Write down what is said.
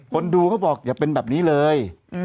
คนดูเขาบอกอย่าเป็นแบบนี้เลย